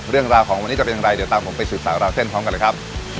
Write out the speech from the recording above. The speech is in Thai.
เรื่องราวของวันนี้จะเป็นอย่างไรเดี๋ยวตามผมไปสืบสาวราวเส้นพร้อมกันเลยครับ